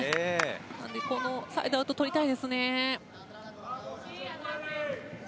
このサイドアウトとりたいですね。